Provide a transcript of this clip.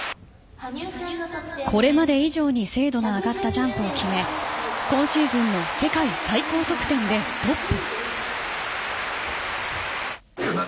これまで以上に精度が上がったジャンプを決め今シーズンの世界最高得点でトップ。